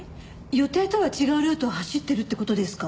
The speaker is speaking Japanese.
予定とは違うルートを走ってるって事ですか？